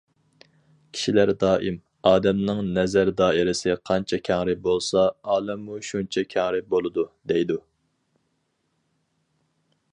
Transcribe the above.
كىشىلەر دائىم: ئادەمنىڭ نەزەر دائىرىسى قانچە كەڭرى بولسا، ئالەممۇ شۇنچە كەڭرى بولىدۇ، دەيدۇ.